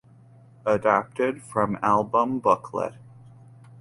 Adapted from album booklet.